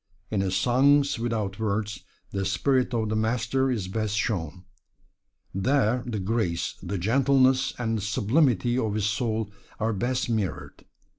In his "Songs Without Words," the spirit of the Master is best shown. There the grace, the gentleness and the sublimity of his soul are best mirrored.